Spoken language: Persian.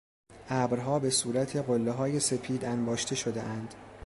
ابرها به صورت قلههای سپید انباشته شدهاند.